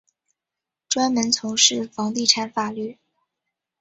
专门从事房地产法律。